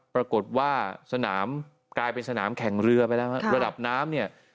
ปรากฏว่าสนามกลายเป็นสนามแข่งเรือไปแล้วฮะระดับน้ำเนี่ย